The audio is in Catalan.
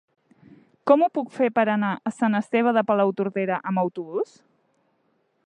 Com ho puc fer per anar a Sant Esteve de Palautordera amb autobús?